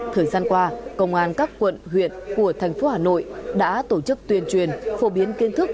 thời gian qua công an các quận huyện của thành phố hà nội đã tổ chức tuyên truyền phổ biến kiến thức